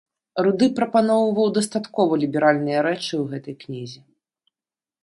Руды прапаноўваў дастаткова ліберальныя рэчы ў гэтай кнізе.